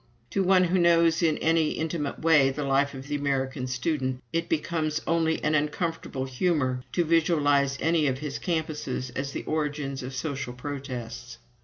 To one who knows in any intimate way the life of the American student, it becomes only an uncomfortable humor to visualize any of his campuses as the origins of social protests.